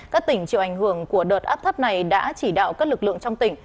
các tỉnh chịu ảnh hưởng của đợt áp thấp này đã chỉ đạo các lực lượng trong tỉnh